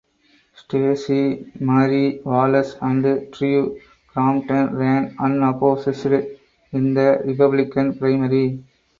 Stacy Marie Wallace and Drew Crompton ran unopposed in the Republican primary.